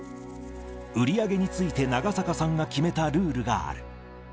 売り上げについて長坂さんが決めたルールがある。